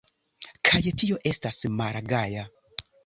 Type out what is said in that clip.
Kaj tio estas malgaja!